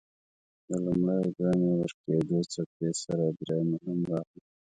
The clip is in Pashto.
د لومړۍ او دویمې ورکېدو څپې سره دريمه هم راغله.